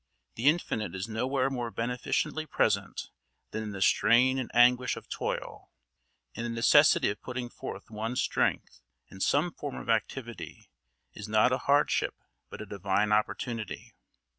The Infinite is nowhere more beneficently present than in the strain and anguish of toil; and the necessity of putting forth one's strength in some form of activity is not a hardship but a divine opportunity.